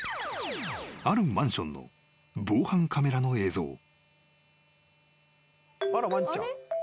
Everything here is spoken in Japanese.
［あるマンションの防犯カメラの映像］